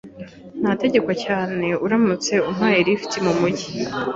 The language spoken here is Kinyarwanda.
Nategekwa cyane uramutse umpaye lift mumujyi.